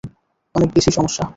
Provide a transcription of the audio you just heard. অনেক বেশি সমস্যা।